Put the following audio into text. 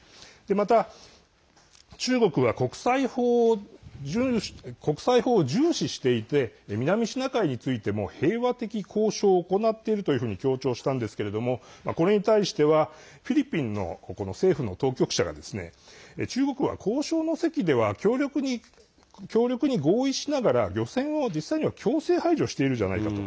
また中国は国際法を重視していて南シナ海についても平和的交渉を行っているというふうに強調したんですけれどもこれに対してはフィリピンの政府の当局者が中国は交渉の席では協力に合意しながら漁船を実際には強制排除しているじゃないかと。